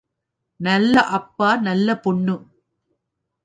நல்ல அப்பா, நல்ல பொண்ணு!